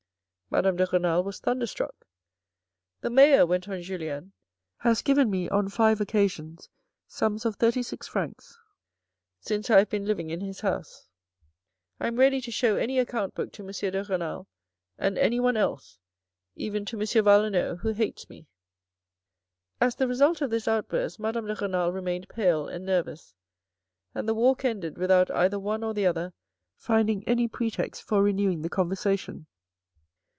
Madame de Renal was thunderstruck. " The Mayor," went on Julien, " has given me on five occasions sums of thirty six francs since I have been living in his house. I am ready to show any account book to M. de Renal and anyone else, even to M. Valenod who hates me." As the result of this outburst, Madame de Renal remained pale and nervous, and the walk ended without either one or the other finding any pretext for renewing the conversation.